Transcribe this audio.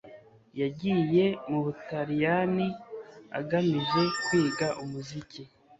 yagiye mu butaliyani agamije kwiga umuziki